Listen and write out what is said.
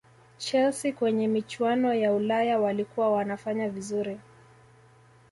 Chelsea kwenye michuano ya Ulaya walikuwa wanafanya vizuri